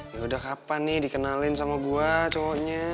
yaudah kapan nih dikenalin sama gue cowoknya